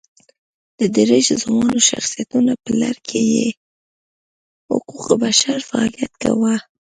د دېرش ځوانو شخصیتونو په لړ کې یې حقوق بشر فعالیت کاوه.